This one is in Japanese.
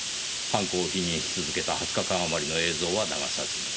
犯行を否認し続けた２０日間あまりの映像は流さずに。